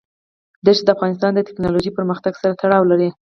دښتې د افغانستان د تکنالوژۍ پرمختګ سره تړاو لري.